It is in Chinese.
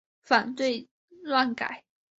反对乱改！